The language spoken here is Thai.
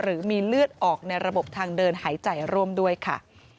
หรือมีเลือดออกในระบบทางเดินหายใจร่วมด้วยค่ะ